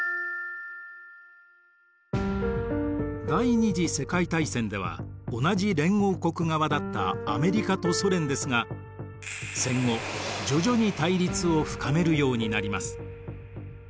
第二次世界大戦では同じ連合国側だったアメリカとソ連ですが戦後徐々に対立を深めるようになります。